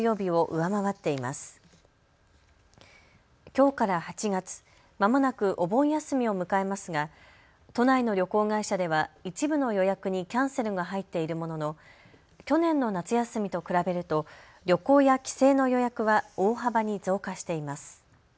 きょうから８月、まもなくお盆休みを迎えますが都内の旅行会社では一部の予約にキャンセルが入っているものの去年の夏休みと比べると旅行や帰省の予約は大幅に増加しています。